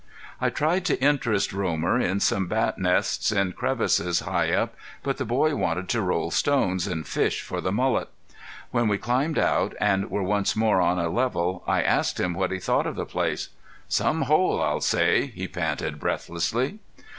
I tried to interest Romer in some bat nests in crevices high up, but the boy wanted to roll stones and fish for the mullet. When we climbed out and were once more on a level I asked him what he thought of the place. "Some hole I'll say!" he panted, breathlessly.